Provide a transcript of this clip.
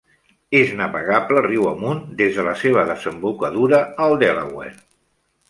És navegable riu amunt des de la seva desembocadura al Delaware.